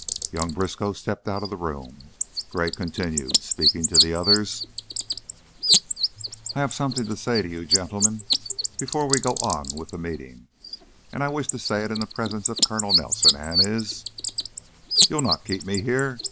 Young Briskow stepped out of the room. Gray continued, speaking to the others, "I have something to say to you gentlemen before we go on with the meeting, and I wish to say it in the presence of Colonel Nelson and his " "You'll not keep me here.